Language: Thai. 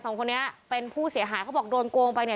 สองคนนี้เป็นผู้เสียหายเขาบอกโดนโกงไปเนี่ย